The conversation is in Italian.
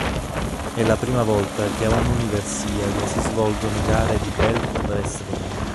È la prima volta che a un'Universiade si svolgono gare di belt wrestling.